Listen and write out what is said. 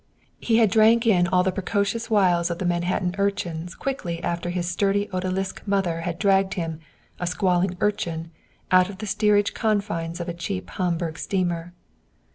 He had drank in all the precocious wiles of the Manhattan urchins quickly after his sturdy Odalisque mother had dragged him, a squalling urchin, out of the steerage confines of a cheap Hamburg steamer.